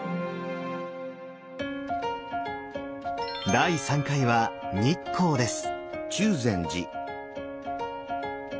第３回は日光です。